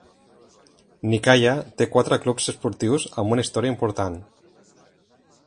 Nikaia té quatre clubs esportius amb una història important.